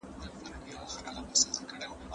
لس دقیقې ډېر وخت نه دی.